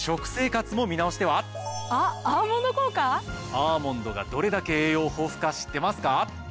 アーモンドがどれだけ栄養豊富か知ってますか？